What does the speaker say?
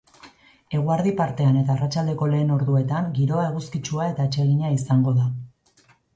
Eguerdi partean eta arratsaldeko lehen orduetan giroa eguzkitsua eta atsegina izango da.